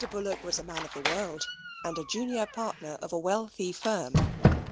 Bullock was a man of the world, and a junior partner of a wealthy firm.